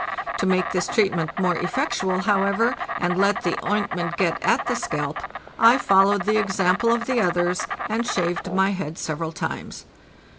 To make this treatment more effectual, however, and let the ointment get at the scalp, I followed the example of the others and shaved my head several times.